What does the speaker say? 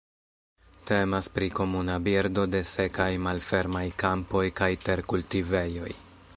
Temas pri komuna birdo de sekaj malfermaj kampoj kaj terkultivejoj.